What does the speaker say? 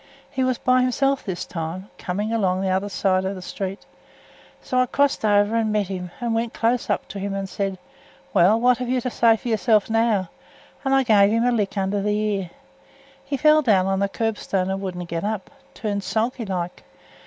He was by hisself this time, coming along at th' other side of th' street. So I crossed over and met him, and went close up to him and said, 'Well, what have you to say for yoursel' now?' and I gav him a lick under th' ear. He fell down on th' kerbstone and wouldn't get up turned sulky like.